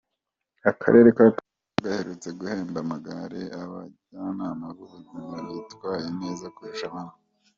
Akarere ka Kayonza gaherutse guhemba amagare abajyanama b’ubuzima bitwaye neza kurusha abandi.